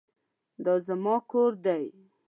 دا زما کور دی